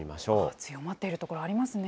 強まっている所ありますね。